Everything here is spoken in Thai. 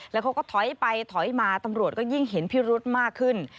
แล้วเขาก็ถอยไปถอยมาตำรวจก็ยิ่งเห็นพิรุธมากขึ้น